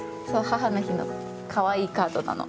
母の日の可愛いカードなの。